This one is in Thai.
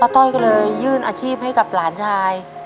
ต้อยก็เลยยื่นอาชีพให้กับหลานชาย